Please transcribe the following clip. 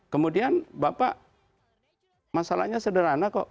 kemudian masalahnya sederhana kok